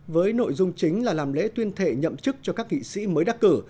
với nội dung chính là làm lễ tuyên thệ nhậm chức cho các nghị sĩ mới đắc cử